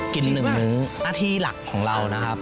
หนึ่งมื้อหน้าที่หลักของเรานะครับ